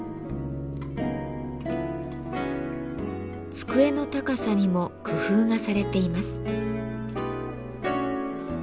机の高さにも工夫がされています。